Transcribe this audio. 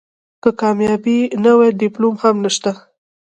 که کامیابي نه وي ډیپلوم هم نشته .